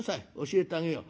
教えてあげよう。